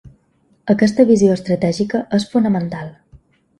Aquesta visió estratègica és fonamental.